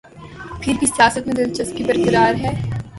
پھر بھی سیاست میں دلچسپی برقرار رہی۔